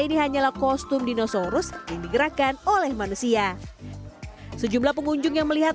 ini hanyalah kostum dinosaurus yang digerakkan oleh manusia sejumlah pengunjung yang melihat